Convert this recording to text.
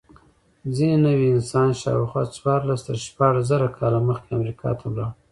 ځینې نوعې انسان شاوخوا څوارلس تر شپاړس زره کاله مخکې امریکا ته ولاړ.